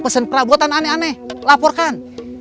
pesan perabotan aneh aneh laporkan